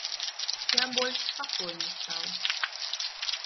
Я больш спакойны стаў.